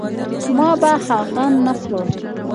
ما به هغه نه خوړ.